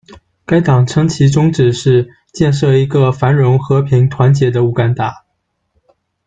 该党称其宗旨是建设一个繁荣、和平、团结的乌干达。